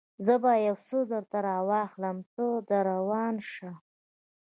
زه به یو څه درته راواخلم، ته در روان شه.